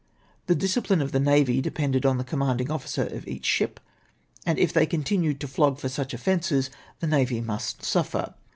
" The discipline of the navy depended on tlie commanding officer of each ship ; and if they continued to flog for such offences, the navy must suffer.